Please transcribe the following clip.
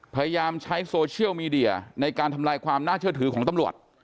พยายามใช้โซเชียลมีเดียในการทำลายความน่าเชื่อถือของตำรวจ